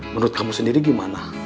menurut kamu sendiri gimana